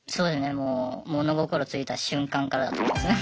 もう物心ついた瞬間からだと思いますね。